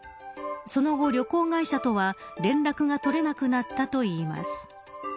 その後、旅行会社とは連絡が取れなくなったといいます。